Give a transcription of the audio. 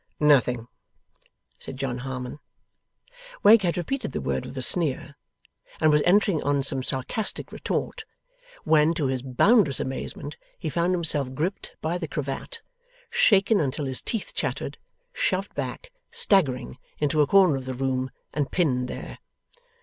'Nothing,' said John Harmon. Wegg had repeated the word with a sneer, and was entering on some sarcastic retort, when, to his boundless amazement, he found himself gripped by the cravat; shaken until his teeth chattered; shoved back, staggering, into a corner of the room; and pinned there.